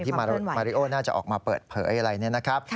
มาริโอน่าจะออกมาเปิดเผยอะไรเนี่ยนะครับ